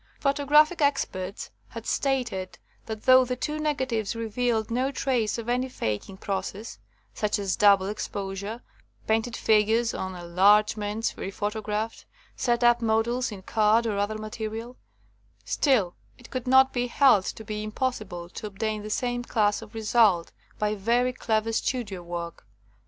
Photographic experts had stated that though the two negatives re vealed no trace of any faking process (such as double exposure, painted figures on en largements rephotographed, set up models in card or other material) , still it could not be held to be impossible to obtain the same class of result by very clever studio work.